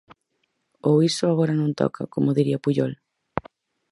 Ou iso agora non toca, como diría Pujol?